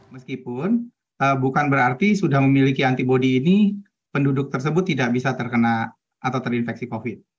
meskipun bukan berarti sudah memiliki antibody ini penduduk tersebut tidak bisa terkena atau terinfeksi covid